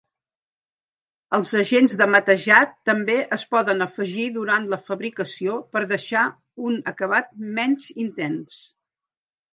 Els agents de matejat també es poden afegir durant la fabricació per deixar un acabat menys intens.